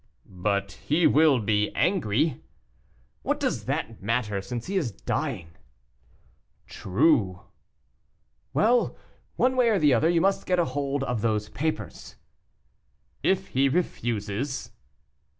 "But he will be angry." "What does that matter, since he is dying?" "True." "Well; one way or the other, you must get hold of those papers." "If he refuses?"